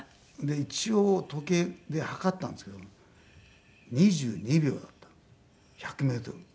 一応時計で計ったんですけど２２秒だったの１００メートル。